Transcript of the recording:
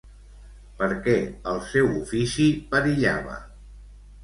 Per què el seu ofici perillava?